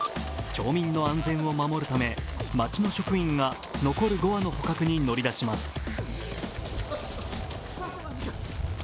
町民の安全を守るため町の職員が残る５羽の捕獲に乗り出します。